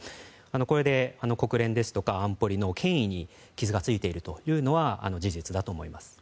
これで国連ですとか、安保理の権威に傷がついているのは事実だと思います。